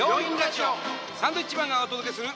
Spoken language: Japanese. サンドウィッチマンがお届けする。